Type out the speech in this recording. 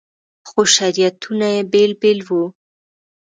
خو شریعتونه یې بېل بېل وو.